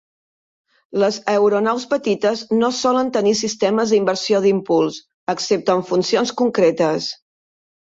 Les aeronaus petites no solen tenir sistemes d'inversió d'impuls, excepte en funcions concretes.